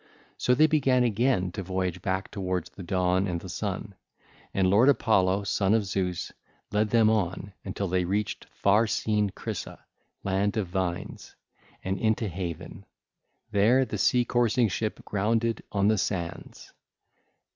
So they began again to voyage back towards the dawn and the sun: and the lord Apollo, son of Zeus, led them on until they reached far seen Crisa, land of vines, and into haven: there the sea coursing ship grounded on the sands.